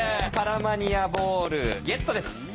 パラマニアボールゲットです。